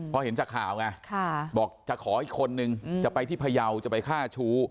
พอเห็นจากข่าวไงบอกจะขออีกคนนึงจะไปที่พยาวจะไปฆ่าชู้